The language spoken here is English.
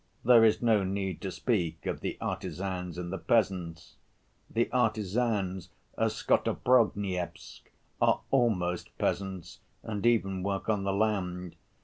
There is no need to speak of the artisans and the peasants. The artisans of Skotoprigonyevsk are almost peasants, and even work on the land.